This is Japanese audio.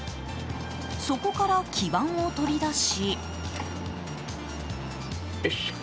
そこから基板を取り出し。